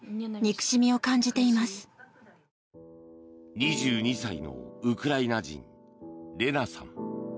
２２歳のウクライナ人レナさん。